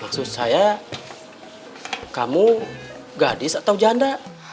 maksud saya kamu gadis atau janda